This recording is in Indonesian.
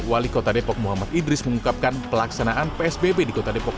wali kota depok muhammad idris mengungkapkan pelaksanaan psbb di kota depok